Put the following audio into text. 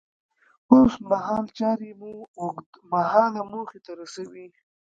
اوسمهال چارې مو اوږد مهاله موخې ته رسوي.